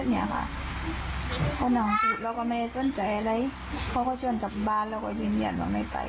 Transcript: เพราะว่านั้นวันขึ้นเราก็ไม่ได้สนใจอะไรเค้าขอชวนจับบ้านเราก็ยืนเหนียดว่าไม่ไป